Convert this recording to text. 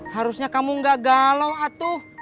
harusnya kamu gak galau atuh